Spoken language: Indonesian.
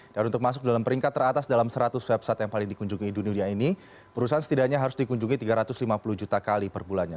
untuk masuk dalam peringkat teratas dalam seratus website yang paling dikunjungi dunia ini perusahaan setidaknya harus dikunjungi tiga ratus lima puluh juta kali per bulannya